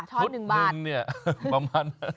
ชุดหนึ่งเนี่ยประมาณนั้น